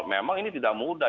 memang ini tidak mudah